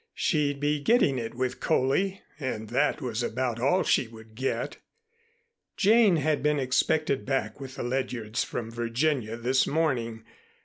She'd be getting it with Coley and that was about all she would get. Jane had been expected back with the Ledyards from Virginia this morning.